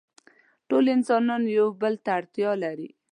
ټول انسانان يو بل ته اړتيا لري.